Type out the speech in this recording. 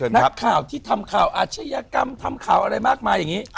นักข่าวที่ทำข่าวอาชญากรรมทำข่าวอะไรมากมายอย่างนี้